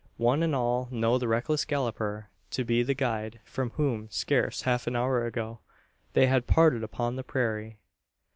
One and all know the reckless galloper to be the guide from whom, scarce half an hour ago, they had parted upon the prairie.